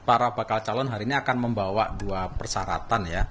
para bakal calon hari ini akan membawa dua persyaratan ya